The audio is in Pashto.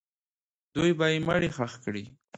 دوی به یې مړی ښخ کړي.